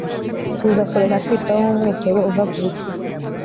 Tuza kureka kwitaho nkumwitero uva ku bitugu